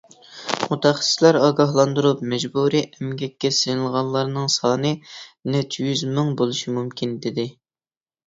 مۇتەخەسسىسلەر ئاگاھلاندۇرۇپ، مەجبۇرىي ئەمگەككە سېلىنغانلارنىڭ سانى «نەچچە يۈز مىڭ» بولۇشى مۇمكىن، دېدى.